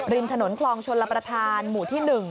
ริมถนนคลองชลประธานหมู่ที่๑